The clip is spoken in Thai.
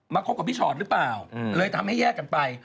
คบกับพี่ชอตหรือเปล่าเลยทำให้แยกกันไป